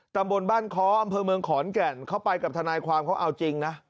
ตำบลบ้านค้ออำเภอเมืองขอนแก่นเขาไปกับทนายความเขาเอาจริงนะ